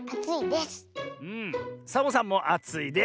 サボさんもあついです。